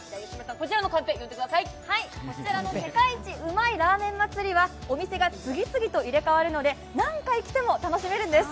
こちらの世界一うまいラーメン祭は、お店が次々と入れ代わるので何回来ても楽しめるんです。